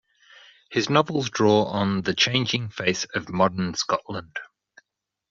His novels draw on the changing face of modern Scotland.